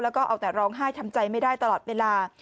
แล้วก็เอาแต่ร้องไห้ทำใจไม่ได้ตลอดเวลา